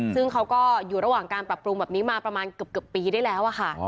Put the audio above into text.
ซึ่งเขาก็อยู่ระหว่างการปรับปรุงแบบนี้มาประมาณเกือบปีได้แล้วค่ะ